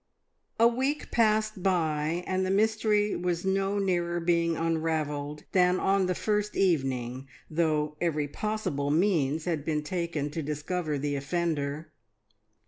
A week passed by, and the mystery was no nearer being unravelled than on the first evening, though every possible means had been taken to discover the offender.